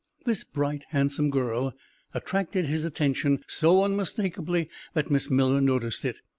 This bright, handsome girl attracted his attention so unmistakably that Miss Miller noticed it.